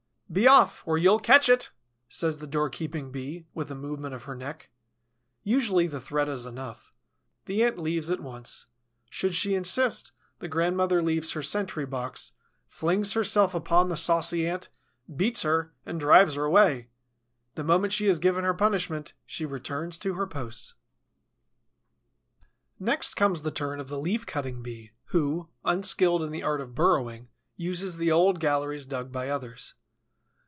"Be off, or you'll catch it!" says the doorkeeping Bee, with a movement of her neck. Usually the threat is enough. The Ant leaves at once. Should she insist, the grandmother leaves her sentry box, flings herself upon the saucy Ant, beats her, and drives her away. The moment she has given her punishment, she returns to her post. [Illustration: "'Be off, or you'll catch it!' says the doorkeeping bee."] Next comes the turn of the Leaf cutting Bee, who, unskilled in the art of burrowing, uses the old galleries dug by others.